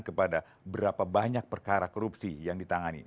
kepada berapa banyak perkara korupsi yang ditangani